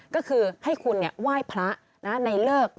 ก็คือให้คุณไหว้พระในเลิก